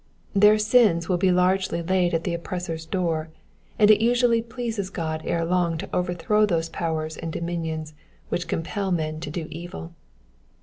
Their sins will be largely laid at the oppressor's door, and it usually pleases God ere long to overthrow those powers and dominions which compel men to do evil.